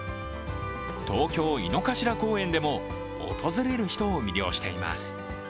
東京・井の頭公園でも訪れる人を魅了しています。